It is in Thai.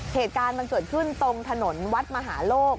เหตุการณ์มันเกิดขึ้นตรงถนนวัดมหาโลก